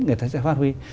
người ta sẽ phát huy